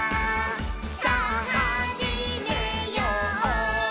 さぁはじめよう」